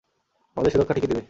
আমাদের সুরক্ষা ঠিকি দিবে।